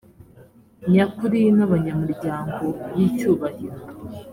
nyakuri n’abanyamuryango b’icyubahiro